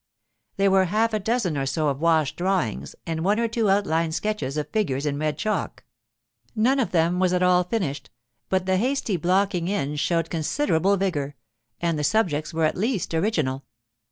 There were a half dozen or so of wash drawings, and one or two outline sketches of figures in red chalk. None of them was at all finished, but the hasty blocking in showed considerable vigour, and the subjects were at least original.